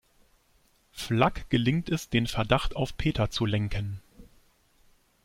Flagg gelingt es den Verdacht auf Peter zu lenken.